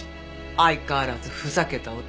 相変わらずふざけた男。